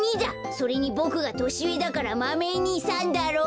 それにボクがとしうえだから「マメ２さん」だろ！